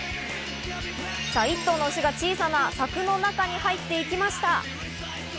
さあ、１頭の牛が小さな柵の中に入っていきました。